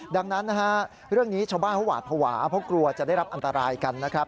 ดังนั้นนะฮะเรื่องนี้ชาวบ้านเขาหวาดภาวะเพราะกลัวจะได้รับอันตรายกันนะครับ